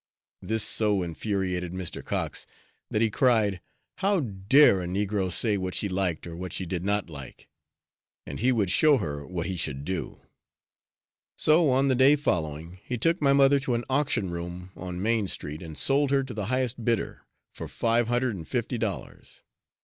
This so infuriated Mr. Cox that he cried, "How dare a negro say what she liked or what she did not like; and he would show her what he should do." So, on the day following, he took my mother to an auction room on Main Street and sold her to the highest bidder, for five hundred and fifty dollars.